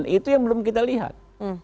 itu yang belum kita lihat